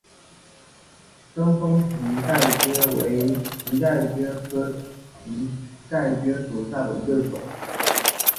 贞丰蹄盖蕨为蹄盖蕨科蹄盖蕨属下的一个种。